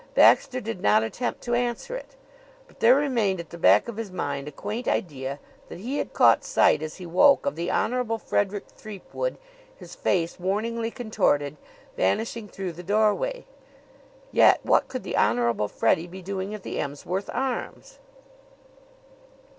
Baxter did not attempt to answer it. But there remained at the back of his mind a quaint idea that he had caught sight, as he woke, of the Honorable Frederick Threepwood, his face warningly contorted, vanishing through the doorway. Yet what could the Honorable Freddie be doing at the Emsworth Arms?